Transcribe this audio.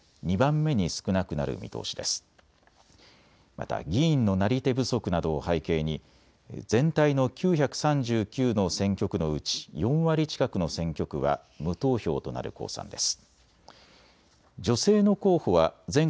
また議員のなり手不足などを背景に全体の９３９の選挙区のうち４割近くの選挙区は無投票となる公算です。